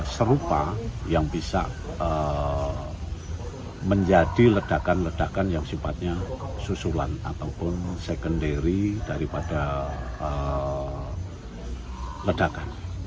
serupa yang bisa menjadi ledakan ledakan yang sifatnya susulan ataupun secondary daripada ledakan